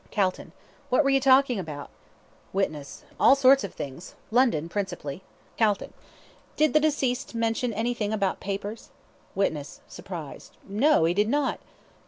CALTON: What were you talking about? WITNESS: All sorts of things. London principally. CALTON: Did the deceased mention anything about papers? WITNESS (surprised): No, he did not.